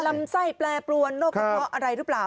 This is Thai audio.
ลำไส้แปรปรวนโรคกระเพาะอะไรหรือเปล่า